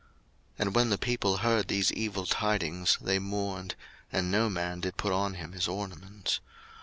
02:033:004 And when the people heard these evil tidings, they mourned: and no man did put on him his ornaments.